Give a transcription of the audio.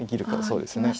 そうですね。